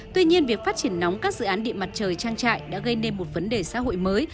tuy nhiên việc phát triển nóng các dự án điện mặt trời trang trại đã gây nên một vấn đề xã hội mới